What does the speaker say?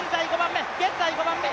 現在５番目！